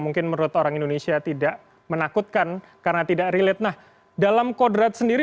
mungkin menurut orang indonesia tidak menakutkan karena tidak relate nah dalam kodrat sendiri